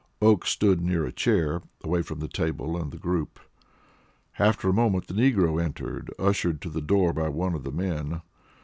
Oakes stood near a chair, away from the table and the group. After a moment the negro entered, ushered to the door by one of the men.